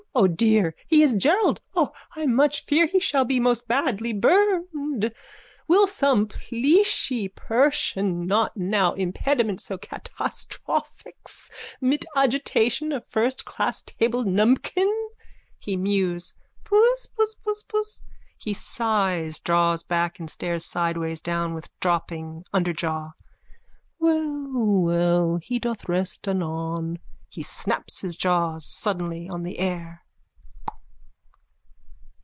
O dear, he is Gerald. O, I much fear he shall be most badly burned. Will some pleashe pershon not now impediment so catastrophics mit agitation of firstclass tablenumpkin? (He mews.) Puss puss puss puss! (He sighs, draws back and stares sideways down with dropping underjaw.) Well, well. He doth rest anon. (He snaps his jaws suddenly on the air.)